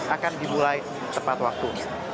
akan dimulai tepat waktu